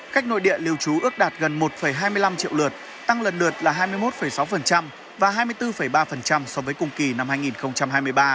khách nội địa lưu trú ước đạt gần một hai mươi năm triệu lượt tăng lần lượt là hai mươi một sáu và hai mươi bốn ba so với cùng kỳ năm hai nghìn hai mươi ba